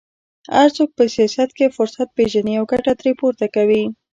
هر څوک په سیاست کې فرصت پېژني او ګټه ترې پورته کوي